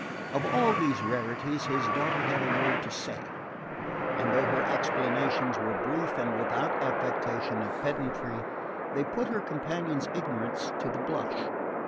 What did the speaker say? Of all these rarities his daughter had a word to say, and though her explanations were brief and without affectation of pedantry, they put her companion's ignorance to the blush.